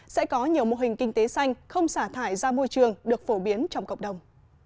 sẽ có nhiều mô hình kinh tế xanh không xả thải ra môi trường được phổ biến trong cộng đồng